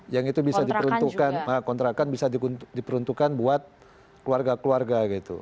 kontrakan juga ya kontrakan bisa diperuntukkan buat keluarga keluarga gitu